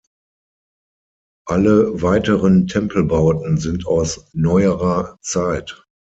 Alle weiteren Tempelbauten sind aus neuerer Zeit.